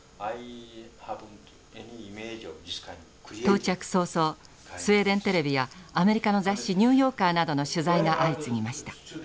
到着早々スウェーデン・テレビやアメリカの雑誌「ニューヨーカー」などの取材が相次ぎました。